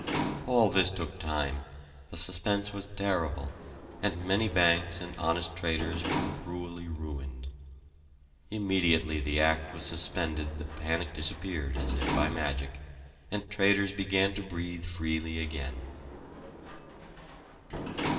All this took time, the suspense was terrible, and many banks and honest traders were cruelly ruined. Immediately the Act was suspended the panic disappeared as if by magic, and traders began to breathe freely again.